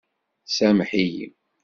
Sameḥ-iyi!